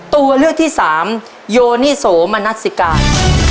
ตัวเลือกที่สามโยนิโสมณัสสิการ